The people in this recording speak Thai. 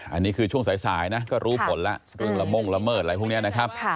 อันนี้คือช่วงสายนะก็รู้ผลแล้วเรื่องละม่งละเมิดอะไรพวกนี้นะครับ